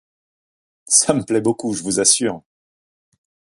Ça me plaît beaucoup, je vous assure.